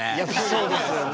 そうですよね。